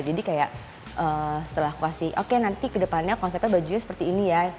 jadi kayak setelah aku kasih oke nanti kedepannya konsepnya bajunya seperti ini ya